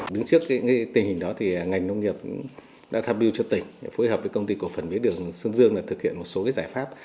đứng trước tình hình đó thì ngành nông nghiệp đã tham mưu cho tỉnh phối hợp với công ty cổ phần mía đường sơn dương thực hiện một số giải pháp